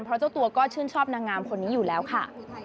เพราะเจ้าตัวก็ชื่นชอบนางงามคนนี้อยู่แล้วค่ะ